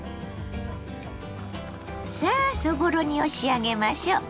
さあそぼろ煮を仕上げましょう。